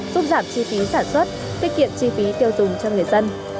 giúp giảm chi phí sản xuất tiết kiệm chi phí tiêu dùng cho người dân